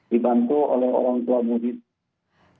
dibantu oleh orang tua murid